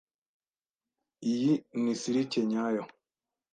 Iyi ni silike nyayo?